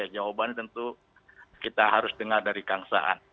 jawabannya tentu kita harus dengar dari kang sahan